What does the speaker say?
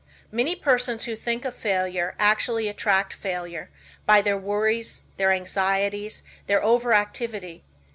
Many persons who think of failure actually attract failure by their worries, their anxieties, their overactivity.